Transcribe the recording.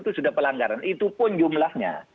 itu sudah pelanggaran itu pun jumlahnya